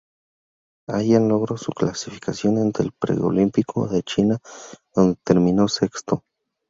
Allan logro su clasificación en el pre olímpico de China donde terminó sexto.